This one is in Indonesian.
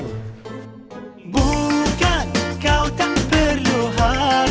ini gini ini gua sendiri yang ambil